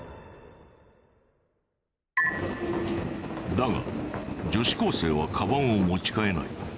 だが女子高生はカバンを持ち替えない。